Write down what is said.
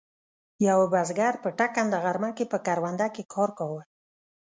یوه بزګر په ټکنده غرمه کې په کرونده کې کار کاوه.